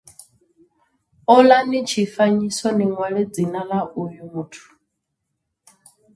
Olani tshifanyiso ni ṅwale dzina ḽa uyu muthu.